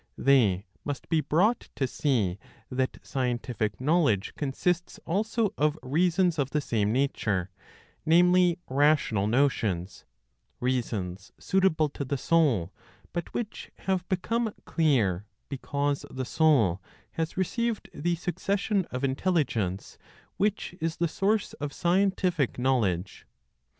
They must be brought to see that scientific knowledge consists also of reasons of the same nature (namely, rational notions), reasons suitable to the soul, but which have become clear, because the soul has received the succession of intelligence which is the source of scientific knowledge.